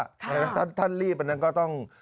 อ่ะถ้าท่านรีบอันนั้นก็ต้อง